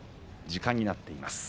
時間になっています。